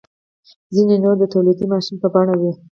ځینې نور د تولیدي ماشین په بڼه وي.